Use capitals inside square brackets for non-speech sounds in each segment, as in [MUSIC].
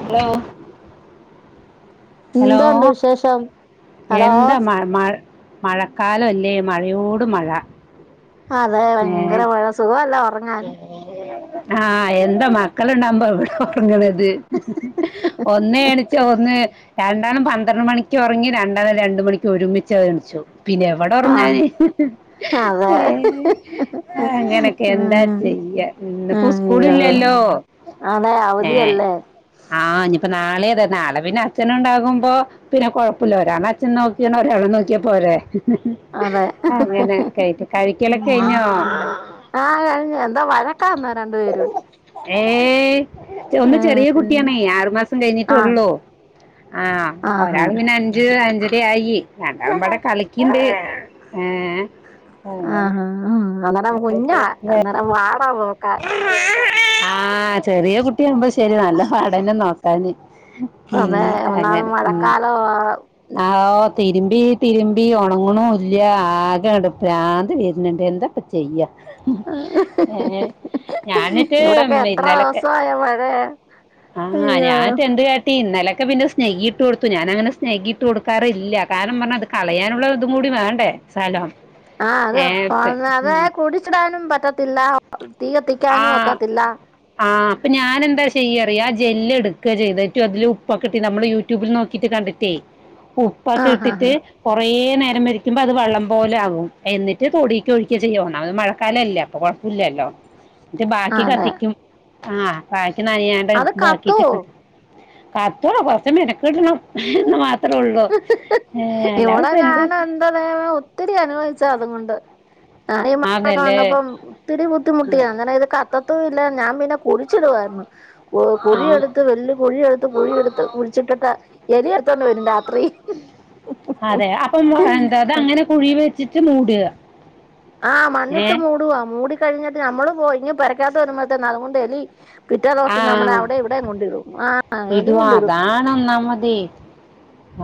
Hello hello എന്താണ്ട് വിശേഷം hello എന്താ മ മഴ മഴക്കാലം അല്ലേ മഴയോട് മഴ അതെ ഏ ഭയങ്കര മഴ സുഖവല്ലെ ഒറ ആഹ് എന്താ മക്കളുണ്ടാവുമ്പ ഇവിടെ ഒറങ്ങലേന്നു ഒന്ന് എണിച്ചാ ഒന്ന് രണ്ടെണ്ണം പന്ത്രണ്ട് മണിക്ക് ഒറങ്ങി. രണ്ടാളും രണ്ടു മണിക്ക് ഒരുമിച്ച് എണ്ച്ചു. പിന്നെ എവി ഇവിടെ ആഹ് ഉറങ്ങാണ് അതെ അങ്ങനൊക്കെ എന്താ ഉം വയ്യ ഇന്നിപ്പോ സ്കൂളൾ അയ്യോ ഇല്ലല്ലോ അതെ ഏ അവധിയല്ലേ ആഹ് ഇനിയിപ്പോ നാളെ അതെ നാളെ പിന്നെ അച്ഛന ഉണ്ടാകുമ്പോ പിന്നെ കൊഴപ്പമില്ല ഒരാളെ അച്ഛൻ നോക്കീ ഒരാള നോക്കിയാ പോരെ അതെ അങ്ങനെ [UNINTELLIGIBLE] കഴിക്കലൊക്കെ കഴിഞ്ഞോ ആഹ കഴിഞ്ഞഞ് എന്താ വഴക്കാന്നാ രണ്ടു പേരും ഏഹ് ഒന്ന് ഏഹ് ചെറിയ കുട്ടിയാണേ ആറു മാസം കഴിഞ്ഞിട്ടെ ആഹ് ഒള്ളൂ ആഹ് ആഹാ ഒരാൾ പിന്നെ അഞ്ച് അഞ്ച് ഒ ആയി രണ്ടാളും ഇവിടെ ട കളിക്ക് ഉണ്ട് ഏ ആഹ് അന്നേരം കുഞ്ഞാ അന്നേരം വാട പോക്ക ആഹ ചെറിയ കുട്ടിയാകുമ്പോ ശരി നല്ല പാടന്നെ നോക്കാന് ഉം അതെ ഒന്നാമത് അങ്ങനെ മഴക്കാലവാ ഉ തിരുമ്പി തിരുമ്പി ഉണങ്ങണല്ല ആകെ പിരാന്ത് വരുന്നുണ്ട് എന്താപ്പോ ചെയ്യ ഞാനട്ട് ഇവിടൊക്കെ എത്ര ന്നലൊക്കെ ദിവസായ മഴയാ ആഹ അയ്യോ ഞാൻ എന്ത് ഇന്നലൊക്കെ പിന്നെ സ്നകി ഇട്ട് കൊടുത്തു ഞാൻ അങ്ങനെ സ്നകിട്ട് കൊടുക്കാറില്ല കാരണം പറഞ്ഞാത് കളയാനുള്ള ഇതും കൂടി വേണ്ടേ സ്ഥലം ആഹ ഏ പി അത് അത് ഉം കുടിച്ചിടാനും പറ്റത്തില്ല തീ കത്തിക്കാനും ഒക്കത്തില്ല ആഹ് അപ്പൊ ഞാൻ എന്താ ചെയ്യറിയാ ആ ജെല് എടുക്കുക ചെയ്ത് അതില് ഉപ്പൊ ഇട്ട് നമ്മള് യു ടൂബിൽ നോക്കിട്ട് കണ്ടിട്ടേ ഉ ഒക്കെ ആഹ് ഇട്ടിട്ട് ആഹ് കുറേ നേരം ഇ രിക്കുമ്പോ അത് വള്ളം പോലെ ആകും എന്നിട്ട് തൊടിക്ക ഒഴിക്കുക ചെയ്യ അത് മഴക്കാലല്ലേ അപ്പൊ കൊഴപ്പില്ലല്ലോ എന്നിട്ട് ആഹ് ബാക്കി അതെ കത്തിക്കും ആഹ് കാറ്റ് നാനയാതെ അത് കത്തൂ ഇതാക്കിട്ട് കാത്തോള കൊറച്ച മെനക്കിടണം എന്ന് മാത്രേ ഉള്ളൂ ഏ എല്ലാവരും ഇവിടെ ഇപ്പ എന്ത് [UNINTELLIGIBLE] ഒത്തിരി അനുഭവിച്ച അതും കൊണ്ട് ഞാന ഈ മഴക്കെ ആന്നല്ലേ വന്നപ്പം ഒത്തിരി ബുദ്ധിമുട്ടിയാണ് അങ്ങനെ ഇത് കത്തത്തും ഇല്ല ഞാൻ പിന്നെ കുഴിച്ചിടുവായിരുന്നു ആ കുഴിയെടുത്ത് വലിയ കുഴിയെടുത്ത് കുഴിയെടുത്ത് കുഴിച്ചിട്ടിട്ട് [UNINTELLIGIBLE] അതെ അപ്പം എന്താ അങ്ങനെ കുഴി വെച്ചിട്ട് മൂടുക ആഹ് ഏ മണ്ണിട്ട് മൂടവാ മൂടി കഴിഞ്ഞിട്ട് നമ്മള് പോയി ഇനി പരക്കാത്ത വരുമ്പോഴത്ത തന്നെ അതുകൊണ്ട് എലി പിറ്റേ ദിവസം നമ്മുടെ അവിടെ ഇവിടെയും കൊണ്ട് ഇടും ആ എലി ഇത് കൊണ്ടിടും അതാണ് ഒന്നാമത്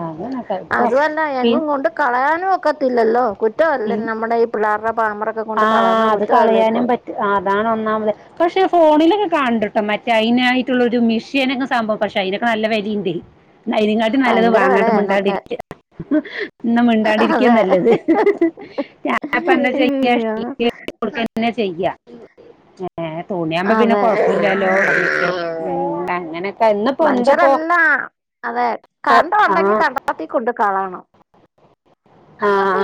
അ അത് അല്ല എങ്ങും കൊണ്ട് കളയാനും ഒക്കത്തില്ലല്ലോ കുറ്റം അല്ലേ പിൻ നമ്മുടെ ഈ പിള്ളേരുടെ പാമ്പറ ആ അത് കളയാനും പറ്റുല അതാണ് ഒന്നാമത് പക്ഷെ ഫോണിലൊക്കെ കണ്ടുട്ടോ മറ്റേ അതിനായിട്ടുള്ളൊരു മിഷ്യനൊക്കെ സംഭവം പക്ഷെ അതിതൊക്കെ നല്ല വലയുണ്ട് അതിനങ്ങാട്ടി നല്ലത് ഭയങ്കര വാങ്ങാണ്ട വിലയാ അതിനൊക്കെ മിണ്ടാണ്ടരിക്ക ഇന്ന മിണ്ടാണ്ടിരിക്ക അതെ നല്ലത് ഞാനപ്പ എന്താ അയ്യോ [UNINTELLIGIBLE] ചെയ്യ ഏ തുണിയവുമ്പോ പിന്നെ അതെ കൊഴപ്പില്ലല്ലോ [UNINTELLIGIBLE] മനുഷ്യരെല്ലാം അതെ ആ കണ്ട ആ ഉണ്ടെങ്കി കണ്ടത്തി കൊണ്ട് കളണം ആഹ്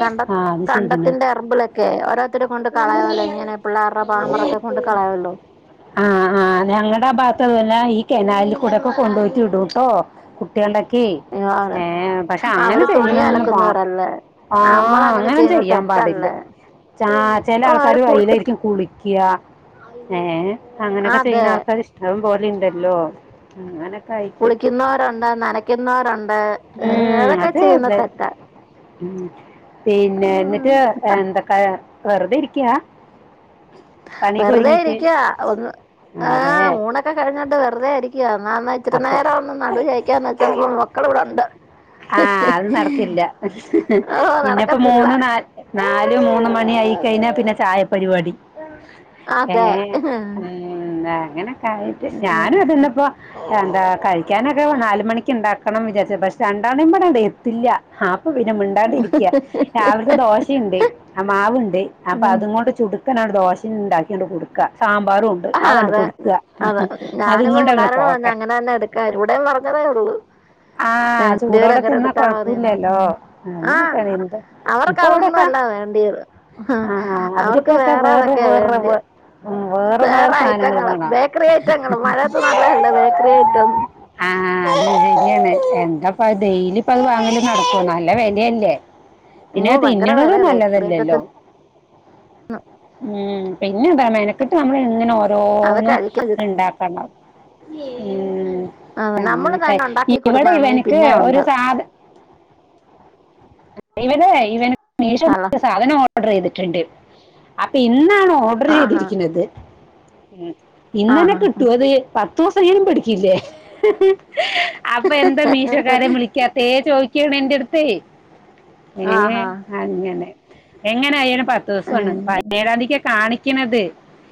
കണ്ട കണ്ടത്തിന്റെ എറിബിലൊക്കെ ഓരോത്തർ കൊണ്ട് കളയു മല്ലോ ഇങ്ങനെ പിള്ളേരുടെ പാമറൊക്കെ കൊണ്ട് കളയുമല്ലോ ആഹ് ആഹ് ഞങ്ങളുടെ ആ ഭാഗത്ത്ഒക്കെ പിന്നെ ഈ കനാലിൽ കൂടെയൊക്കെ കൊണ്ടുപോയിട്ടി ഇടൂട്ടോ കുട്ടണ്ടാക്കി അയ്യോ ഏ പക്ഷെ അങ്ങനെ അവര് തുണി ചെയ്യുന്ന അലക്കുന്നവരല്ലേ ആ നമ്മൾ അങ്ങനെ അങ്ങന ചെയ്യുന്നത് ചെയ്യാൻ പാടില്ല തെറ്റല്ലേ ചില ഓ അവര് ആൾക്കാര് കുളി വയില കുളിക്ക ഏ അങ്ങനെയൊക്കെ അതെ ചെയ്യുന്ന ആൾക്കാര് ഇഷ്ടം പോലെ ഇണ്ടല്ലോ ഉ് അനൊക്കെ ആയി കുളിക്കുന്നവരുണ്ട് നനക്കുന്നവരുണ്ട് ഏ അ തൊക്കെ ചെയ്യുന്ന തെറ്റാ മ് പിന്നെ ഇന്നിട്ട് ഉം. എന്തൊക്കാ വെറുതെയിരിക്കാ? വെറുതെ ഇരിക്കാ ഒന്ന് അതെ ആഹ് ഊണെ [UNINTELLIGIBLE] കഴിഞ്ഞിട്ട് വെറുതെ ഇരിക്കയാ എന്നാ എന്നാ ഇച്ചിരി അപ്പൊ നേരം ഒന്ന് നടു ചായ്ക്കാന്ന് വച്ചപ്പോ മക്കള് ഇവിടെ ഒണ്ട് ആഹ് അത് നടക്കില്ല ഓ പിന്നപ്പ നടക്കത്തില്ല മൂന്നു നാ നാല് മൂന്ന് മണി ആയി കഴിഞ്ഞാ പിന്നെ ചായപരിപാടി അതെ ഏഹേ ഉം. മ് അങ്ങനെക്കായിട്ട് ഞാനും അതന്നപ്പോ എന്താ കഴിക്കാനൊക്കെ നാല് മണിക്ക്ണ്ടാക്കണം വിചാരിച്ചതാ പക്ഷെ രണ്ടാണുമ്പടെത്തില്ല ആഹ് ഇപ്പൊ പിന്നെ മിണ്ടാണ്ട് ഇരിക്ക്യാ രാവിലത്തെ ദോശയുണ്ട് ആഹാ മാവ്ണ്ട് അപ്പൊ അതുങ്ങൊണ്ട് ചുടുക്കനാണ്ട് ദോശിം ഇണ്ടാക്കിയാണ്ട് കൊടുക്കാ സാമ്പാറുണ്ട് ആഹ് അതെ അതെ ഞാനിപ്പോ കൊണ്ട് അങ്ങനെ പിള്ളാരോട് പറഞ്ഞ പോട്ടെ അങ്ങനെ തന്നെ എടുക്കാൻ ഇവിടെയും പറഞ്ഞതേ ഉള്ളൂ ആഹ് രണ്ടുപേര് ചൂടോടെ അങ്ങനെ തിന്ന എടുത്താൽ മതിയെന്ന് കൊഴപ്പ്ല്ലല്ലോ ആ അങ്ങനാ കരയുന്നത് ഇപ്പ അവർക്ക് അതൊന്നും എവിടെക്ക അല്ല വേണ്ടിയത് ആഹ് അവർക്ക് അവരിക്കൊക്കെ വേറെ അതൊക്കെയാ വേറെ വേണ്ടിയെ വെ ഉംഹ് വേറെ വേറെ സാധനങ്ങള് ഐറ്റങ്ങള് വേണോ? ബേക്കറി ഐറ്റങ്ങള് മഴയത്ത് നല്ലതല്ലേ ബേക്കറി ഐറ്റം ആഹാ അത് ശെരിയെന്നെ എന്താ ഇപ്പത് ഡെയ്ലിപ്പത് വാങ്ങല് നടക്കൊ ന്നല്ല വെലയല്ലേ? പിന്നെ അയ്യോ അത് ഭയങ്കര തിന്നണതും വിലയാ ബേക്കറി നല്ലതല്ലല്ലോ ഐറ്റത്തിന് ഉം പിന്നെതാ മെനക്കെട്ട് നമ്മള് എ [UNINTELLIGIBLE] ഓ അത് തോനെ കഴിക്കരുത് ഇണ്ടാക്കണം ഏഹേ നമ്മള് അങ്ങനെക്കെ തന്നെ ഉണ്ടാക്കി കൊടുക്കുകയാണെങ്കിൽ ഇവടെയിവന് പിന്നെ ഉണ്ട് [UNINTELLIGIBLE] ഇവന് മീശോന്ന് ഹലോ വെച്ചാ സാധന ഇവനൊഡറെയ്തിട്ട്ണ്ട് അപ്പൊ ഇന്നാണ് ആഹാ ഓഡറെയ്തിരിക്ണത് മ് ഇന്നന്നെ ആഹാ കിട്ടൂ അത് പത്തൂസെങ്കിലും പിടിക്കില്ലേ? അപ്പൊ എന്താ മീശോക്കാരൻ വിളിക്കാത്തേ ചോയ്ക്കാണ് എന്റെട്ത്തെ ഏഹേ ആഹാ അങ്ങനെ എങ്ങെനായാലും പത്തുസാണ് ഉം പതിനേഴാതിയൊക്ക കാണി ചോയ്കിണത്.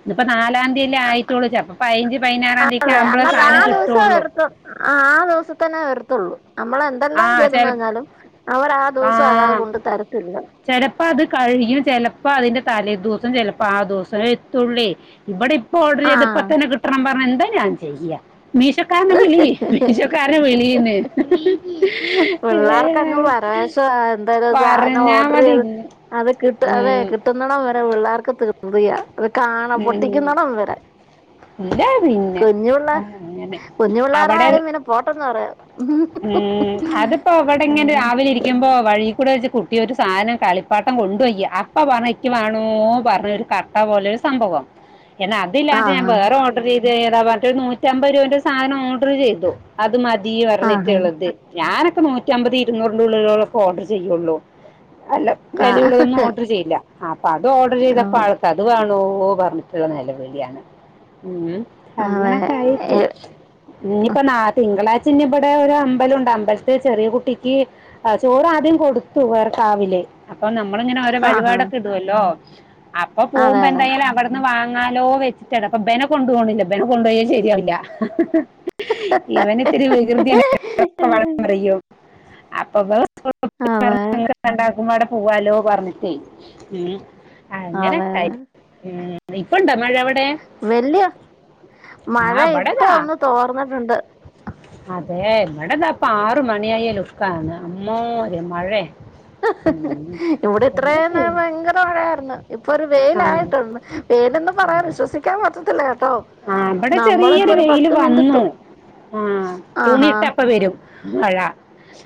ഇന്നിപ്പ നാലാന്തിയല്ലേ ആയിട്ടൊള്ളൂ ചെലപ്പ പയിനഞ്ച് പതിനാറാന്തിയെക്ക ആവുമ്പളേ സാധനം കിട്ടൂള്ളു ആഹ് ആ ദിവസത്തെന്നെ വരത്തൊള്ളൂ നമ്മള ആ എതെല്ലാം ചെയ്തെന്ന് ചെല പറഞ്ഞാലും അവരാ ദിവസം ആകാതെ കൊണ്ട് തരത്തില്ല ചെലപ്പോ അത് കഴിയും ചെലപ്പോ അതിന്റെ തലേ ദുവസം ചെലപ്പോ ആ ദുവസം എത്തുല്ലേ ഇമ്പടെയിപ്പൊ ആ ഓഡറെയ്ത്പ്പെത്തന്നെ കിട്ടണം പറഞ്ഞ എന്താ ഞാൻ ചെയ്യാ? മീശോക്കാരനെ വിളി മീശോ കാരന് വിളീന്ന് പിള്ളേർകൊക്കെ പരവേഷവാ എന്തൊരു സാധനം പറഞ്ഞാ ഓഡർ മതി ചെയ്ത് ഇന്ന്. അത് കിട്ട അതെ ഉം, കിട്ടുന്ന്ടം വരെ പിള്ളേർക്ക് തീകൃതിയ്യാ അത് കാണാ ഉം. പൊട്ടിക്കുന്നെടം വരെ ഇല്ല പിന്നെ കുഞ്ഞു പിള്ള ആ, അങ്ങനെ കുഞ്ഞു പിള്ളേർടെ അവിടെ കാര്യം പിന്നെ പോട്ടെന്ന് പറയാം ഉം അതിപ്പോ അവിടെ ഇങ്ങനെ രാവിലെ ഇരിക്കുമ്പോ വഴീ കൂടെ വെച്ച് കുട്ടിയൊരു സാനം കളിപ്പാട്ടം കൊണ്ട് പൊയ്യ അപ്പ പറഞ്ഞ ക്കിവാണോ പറഞ്ഞൊരു കരച്ചി പോലൊരു സംഭവം എന്നാ അതില്ലാതെ ഞാൻ ആഹ് വേറെ ഓഡ [UNINTELLIGIBLE] ചെയ്ത് ഏതാ മറ്റത് നൂറ്റമ്പത് രൂപേന്റെ ഒരു സാധനം ഓർഡർ ചെയ്തു അത് മതി പറഞ്ഞി ആഹ് [UNINTELLIGIBLE] ഞാനൊക്കെ നൂറ്റി അമ്പത് ഇരുന്നൂറിന്റെ ഉള്ളിലൊളോക്കെ ഓർഡർ ചെയ്യുള്ളൂ അല്ല ആഹ് വെലയുള്ളതൊന്നും ഓഡർ ചെയ്യില്ല അപ്പഅത് ഓർഡർ ചെയ്തപ്പോ ആൾ ത്തത് വേണോ പറഞ്ഞിട്ടൊള്ള നെലവിളിയാണ് ഉം ആഹ് അതെ അങ്ങനെക്കെ ആയിട്ട് ഇനിയിപ്പ നാ തിങ്കളാഴ്ച ഇഞ്ഞിപ്പ ഇവടെ ഒരമ്പലുണ്ട് അമ്പൽത്തെ ചെറിയ കുട്ടിക്ക് ആഹ് ചോറാദ്യം കൊടുത്തു വേറെക്കാവില് അപ്പൊ നമ്മളിങ്ങനെ ഓരോ ആഹ് വഴിപാടൊക്കെ ഇടുവല്ലോ അപ്പൊ അതെ പോകുമ്പോ അതെ എന്തായാലും അവടെ ഇന്ന് വാങ്ങാലോ വെച്ചിട്ടാണ് അപ്പൊ ഇബനെ കൊണ്ട് പോണില്ല ഇബനെ കൊണ്ടുപോയാല് ശരിയാവില്ല ഇവന് ത്തിരി വികൃതിയാണ് [UNINTELLIGIBLE] അതെ വേണം പറയും അപ്പപ്പൊ അതെ [UNINTELLIGIBLE] രണ്ടാക്കും കൂടെ പൂവാല്ലൊ പറഞ്ഞിട്ടേ മ് അതെ അങ്ങനെക്കായിട്ട് മ് ഇപ്പണ്ടവ്ടെ മഴ അവിടെ? വലിയ ആ മഴ ഇപ്പ ഇവിടെതാ ഒന്ന് തോർന്നിട്ടുണ്ട്. അതെ ഇവിടെന്താ അപ്പ ആറ് മണിയായ ലുക്കാ അമ്മാതിരി മഴ ഉം. ഇവിടെ ഇത്ര എന്താ നേരം ശരി ഭയങ്കര മഴയായിരുന്നു ഇപ്പൊ ഒരു ആ വെയിലായിട്ടുണ്ട്. [UNINTELLIGIBLE] വിശ്വസിക്കാൻ പറ്റത്തില്ല കേട്ടോ ആഹ് ഇവടെ ചെറിയരു നമ്മളിപ്പൊ ഒരു വെയില് പത്ത് വന്നു മിനിറ്റ് ആഹ് തൂണിയിട്ട അപ്പ വരും മഴ.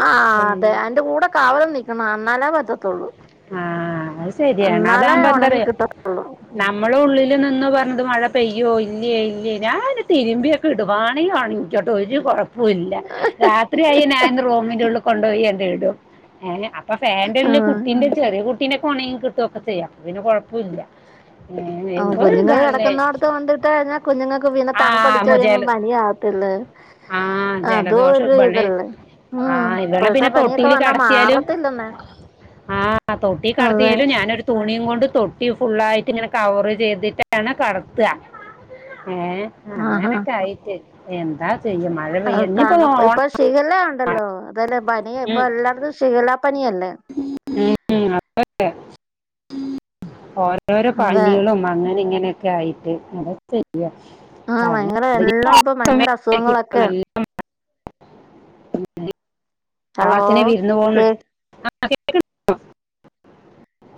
ആഹ് അതെ ഏ അതിന്റെ കൂടെ കാവല് നിൽക്കണം എന്നാലേ പറ്റത്തുള്ളൂ. ആഹ് അത് ശരിയാണ് എന്നാലേ അതാകുമ്പോ എന്താ ഉണങ്ങി പറയാ കിട്ട നമ്മള് ഉള്ളിൽ നിന്നോ പറഞ്ഞത് മഴ പെയ്യോ ഇല്ലിയോ ഇല്ലിയോ ഞാന് തിരുമ്പിയ ഇടും വാണേ വാങ്ങിക്കോട്ടെ എനിക്ക് ഒരു കൊഴ ഇല്ല രാത്രിയി ഞാൻ റൂമിന്റെ ഉള്ളിൽ കൊണ്ടുപോയി ഇടും. അപ്പൊ ഫാനിന്റെ കുട്ടീന്റെ ചെറിയ കുട്ടീന്റെ ഒക്കെ ഉണങ്ങി കിട്ടുവൊക്കെ ചെയ്യാം, അപ്പ പിന്നെ കുഴപ്പം ഇല്ല ആ കുഞ്ഞുങ്ങള് കിടക്കുന്ന അടത്ത് കൊണ്ടിട്ട കഴിഞ്ഞാൽ കുഞ്ഞുങ്ങൾക്ക് പിന്നെ തണുപ്പടിച്ച് ആഹ് വരുമ്പോ ജല പനിയാ. ത്തില്ലേ ആഹ് അതോ ജലദോഷം ഒരു ഇബളെ ഇതല്ലേ ഉമ് ആഹ് ഇവളെ ഇപ്പോഴത്തെ പിന്നെ പനിയൊക്കെ വന്നാ മാറത്തില്ലന്നെ ആഹ് തൊട്ടി കടത്തിയാലും ഞാനൊരു തുണിയും കൊണ്ട് തൊട്ടി ഫുള്ളായിട്ട് ഇങ്ങനെ കവർ ചെയ്തിട്ടാണ് കടത്തുക. ഏഹ് ആഹാ അങ്ങനൊക്കെ ആയിട്ട് എന്താ ചെയ്യ പെയ്യ ഇനിയിപ്പോ ആഹ് ഓണം ഇപ്പൊ ശിഖല ഉണ്ടല്ലോ അതല്ലേ പനിയ ഉം, ഇപ്പൊ എല്ലായിടത്തും ശിഖല്ലാ പനിയല്ലേ. ഉം, അതെ ഓരോരോ അതെ പനികളും അങ്ങനെ ഇങ്ങനെയൊക്കെ ആയിട്ട് അതക്കെ ചെയ്യാം ആഹ് ഭയങ്കര എല്ലാം ഇപ്പ ഭയങ്കര ട്ടോ അസുഖങ്ങളൊക്കെ നല്ല ഹലോ ഓണത്തിന് വിരുന്ന് കേ പോവുന്നുണ്ട്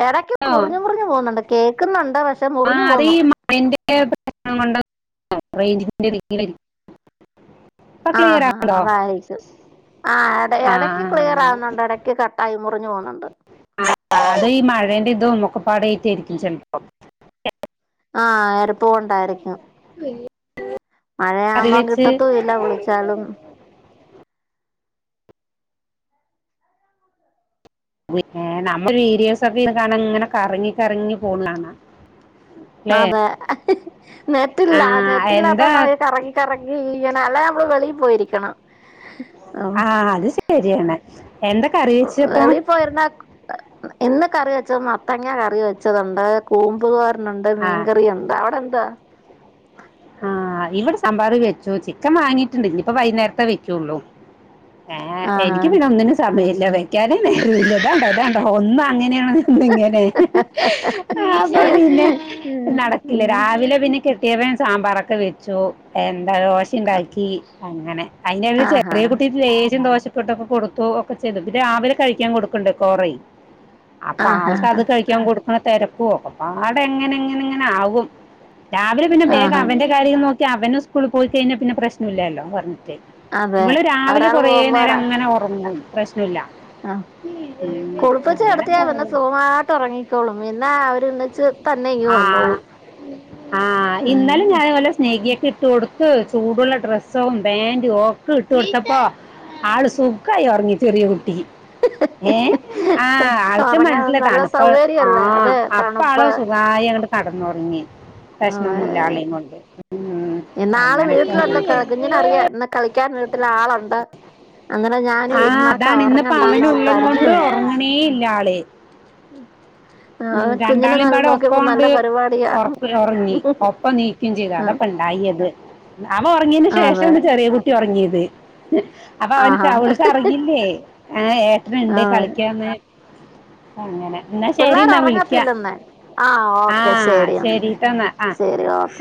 ഇടയ്ക്ക് മുറിഞ്ഞ് മുറിഞ്ഞു പോകുന്നുണ്ട് കേൾക്കുന്നുണ്ട് പക്ഷെ മുറിഞ്ഞു ആഹ് അത് പോന്നു ഈ മഴൻ്റെ പ്രശ്നം കൊണ്ട് റേഞ്ച്ന്റെ ആഹ് ആഹ് അതായിട്ടു ആഹ് ആ ഇടയ്ക്ക് ആ, ക്ലിയർ ആ ആകുന്നുണ്ട് ഇടയ്ക്ക് കട്ടായി മുറിഞ്ഞു പോകുന്നുണ്ട്. [UNINTELLIGIBLE] അത് ഈ മഴന്റെ ഇത് മുക്കപ്പാട ആട്ടായിരിക്കും ചെലപ്പം. ആഹ് തണുപ്പ് കൊണ്ടായിരിക്കും. കറി മഴയാവുമ്പോം വെച്ച് കിട്ടത്തുവില്ല വിളിച്ചാലും. പിന്നെ നമ്മൾ വീഡിയോസ്ക്കെ ഇന്ന് കാണാൻ ഇങ്ങനെ കറങ്ങി കറങ്ങി പോന്ന കാണാം അല്ലേ അതെ ആ നെറ്റില്ല നെറ്റില്ലാത്ത എന്താ കറങ്ങി ഇറങ്ങി ഇങ്ങനെ അല്ലെ നമ്മള് വെളിയില് പോയിരിക്കണം ആഹ് അത് ശരിയാണ് എന്തൊ എവിടെ പോയിരുന്നെ ഇന്ന് കറി വെച്ചത് മത്തങ്ങ കറി വെച്ചതുണ്ട് കൂമ്പ് ഉണ്ട് ആ മീൻകറി ഉണ്ട് അവടെ എന്താ ആഹ് ഇവിടെ സാമ്പാറ് വെച്ചു ചിക്കൻ വാങ്ങിട്ടുണ്ട്, ഇനി ഇപ്പൊ വൈകുന്നേരത്തെേ വെക്കോള്ളൂ. ഏഹ് ആഹാ എനിക്ക് പിന്നെ ഒന്നിനും സമയവില്ല വെക്കാന നേരില്ല ഇതാണ്ട ഒന്ന അങ്ങനെയാണെ ഇങ്ങനെ ആപ്പ പിന്നെ നടക്കില്ലേ രാവിലെ പിന്നെ കെട്ടിയവൻ സാമ്പാറൊക്കെ വെച്ചു എന്താ ദോശ ഉണ്ടാക്കി അങ്ങനെ അയിന് ആഹാ ചെറിയ കുട്ടി ലേശം ദോശ ട്ടൊക്കെ കൊടുത്തു ഒക്കെ ചെയ്തു പിന്നെ രാവിലെ കഴിക്കാൻ കൊടുക്കുണ്ട് കൊറെ അപ്പൊ ആഹാ ആൾക്കത് കഴി കൊടുക്കുന്ന തിരക്കുവോ ഒക്കെ പാട് എങ്ങനെ എങ്ങനെ എങ്ങനെ ആകും രാവിലെ പിന്നെ വേഗ ആഹാ കാര്യം നോക്കി അവനും സ്കൂൾ പോയി കഴിഞ്ഞൽ പിന്നെ പ്രശ്നം ഇല്ലല്ലോ പറഞ്ഞിട്ട്. അതെ ഇവൾ രാവിലെ ഒരാള് കൊറെ പോകുമ്പോ നേരം അങ്ങനെ ഉറങ്ങും പ്രശ്നല്ല. ആഹ് കുളിപ്പിച്ചു കിടത്തിയാ പിന്നെ സുഖമായിട്ട് ഉറങ്ങിക്കോളും പിന്നെ അവരൊന്നിച്ച് ആഹ് ആഹ് ആ ഇന്നലെ ഞാൻ ഉം. ഇതുപലെ സനഗിയൊക്കെ ഇട്ട് കൊടുത്ത് ചൂടുള്ള ഡ്രസ്സോ പാന്റും ഇട്ട് കൊടുത്തപ്പോ ആള് സൂഖായി ഉറങ്ങി ചെറിയ കുട്ടി ഏ ആഹ് ആൾക്ക് ഉറങ്ങാൻ മനസ്സില്ല നല്ല തണ്പ്പ് സൗകര്യല്ലേ ആഹ് അതെ ആപ്പാണ് തണുപ്പ് തായങ്ങട് കടന്നൊറങ്ങി. അതെ പ്രശ്നൊന്നുല്ല ആളിം കൊണ്ട് ഉം ഇന്നാള് വീട്ടിലുണ്ട് അങ്ങനൊക്കായിട്ട് കുഞ്ഞിനറിയാം ഇന്ന് കളിക്കാൻ വീട്ടിലാളൊണ്ട്. അങ്ങനെ ആ ഞാനിരുന്ന ക ഒറങ്ങണ്ടാന്നോർത്തായിരിക്കും. മീയില്ലല്ല്യേ ആ ഉം കുഞ്ഞിനെ നല്ല രണ്ടാളിമ്പാടെ നോക്കിയപ്പോ നല്ല ഒപ്പാണ്ട് പരിപാടിയാ ഒറപ്പ് ഒറങ്ങി ഒപ്പം നീ ഇന്തിലാണ് ഇപ്പ ഇണ്ടായത്, നാന്ന് ഒറങ്ങിന് അതെ ശേഷണ് ചെറിയ കുട്ടി ഒറങ്ങീത്. അപ്പൊവനക്ക് ആഹാ അവൾക്കറിയില്ലേ ഏ ഏട്ടനണ്ട് അതെ കളിക്യന്ന്‌ അങ്ങനെ ന്ന പിള്ളേർ ശെരിന്ന വിളിക്ക ഉറങ്ങത്തില്ലെന്നേ ആ ഓക്കെ ആഹ് ശരി എന്നാ ശെരിട്ടന്ന ആഹ് ശരി ഓക്കെ